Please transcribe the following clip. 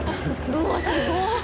うわすごい。